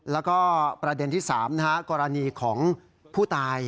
แล้วก็ประเด็นที่๓กรณีของผู้ตาย